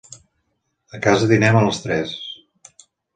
A casa dinem a les tres.